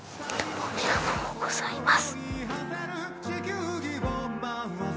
ありがとうございます。